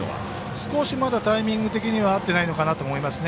少しまだタイミング的には合ってないのかなと思いますね。